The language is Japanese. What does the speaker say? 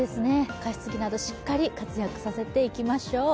加湿器などしっかり活躍させていきましょう。